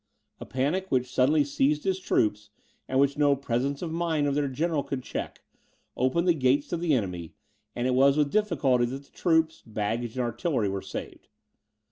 A panic which suddenly seized his troops, and which no presence of mind of their general could check, opened the gates to the enemy, and it was with difficulty that the troops, baggage, and artillery, were saved.